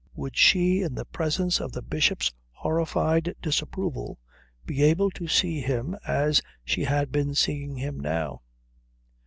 Would she, in the presence of the Bishop's horrified disapproval, be able to see him as she had been seeing him now?